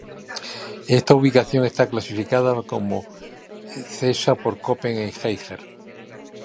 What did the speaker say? Esta ubicación está clasificada como Csa por Köppen y Geiger.